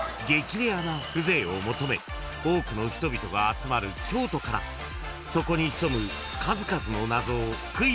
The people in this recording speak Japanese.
レアな風情を求め多くの人々が集まる京都からそこに潜む］